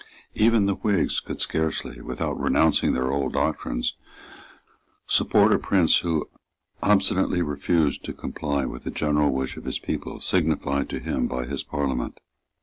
Even the Whigs could scarcely, without renouncing their old doctrines, support a prince who obstinately refused to comply with the general wish of his people signified to him by his Parliament.